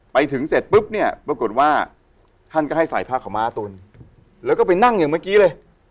ไปถึงเสร็จปุ๊บเนี่ยปรากฏว่าท่านก็ให้ใส่ผ้าขาวม้าตุนแล้วก็ไปนั่งอย่างเมื่อกี้เลย